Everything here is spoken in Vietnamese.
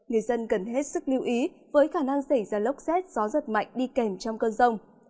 người dân cần hết sức lưu ý với khả năng xảy ra lốc xét gió giật mạnh đi kèm trong cơn rông